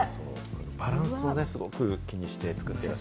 バランスをすごく気にして、作られてます。